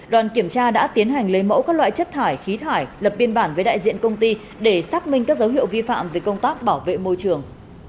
đoàn kiểm tra đã tiến hành lấy mẫu các loại chất thải khí thải lập biên bản với đại diện công ty để xác minh các dấu hiệu vi phạm về công tác bảo vệ môi trường